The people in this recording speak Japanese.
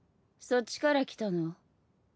そっちから来たの。